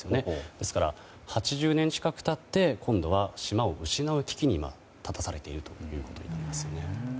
ですから、８０年近く経って今度は島を失う危機に今、立たされているということになりますね。